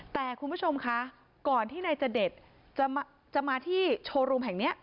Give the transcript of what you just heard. แต่คุณผู้ชมคะก่อนที่นายจเดชจะมาที่โชว์รูมแห่งนี้